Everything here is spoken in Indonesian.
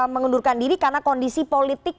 mengundurkan diri karena kondisi politik